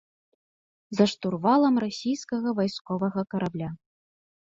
За штурвалам расійскага вайсковага карабля.